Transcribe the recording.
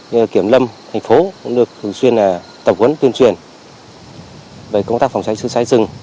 trong lâm thành phố cũng được thường xuyên tập huấn tuyên truyền về công tác phòng cháy chạy cháy rừng